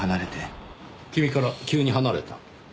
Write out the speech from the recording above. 君から急に離れた？